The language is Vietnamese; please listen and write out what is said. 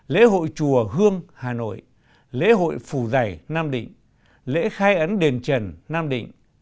lễ hội chùa hương hà nội lễ hội phủ giày nam định lễ khai ấn đền trần nam định